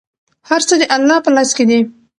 هر څه د الله په لاس کې دي.